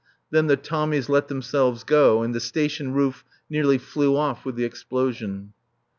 Then the Tommies let themselves go, and the Station roof nearly flew off with the explosion.